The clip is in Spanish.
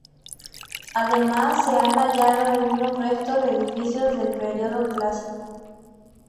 Además, se han hallado algunos restos de edificios del periodo clásico.